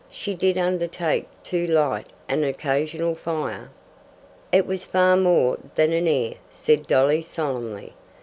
She did undertake to light an occasional fire." "It was far more than an air," said Dolly solemnly.